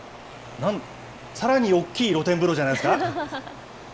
さらに大きい露天風呂じゃないですか？